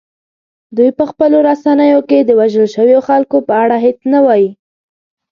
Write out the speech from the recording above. دوی په خپلو رسنیو کې د وژل شویو خلکو په اړه هیڅ نه وايي